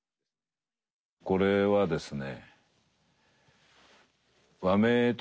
これはですね